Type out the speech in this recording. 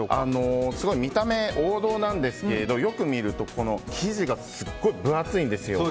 すごい見た目王道なんですけどよく見ると生地がすごく分厚いんですよ。